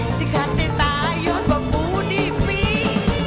ที่ขาดใจตายอดว่าปูนี่ปี่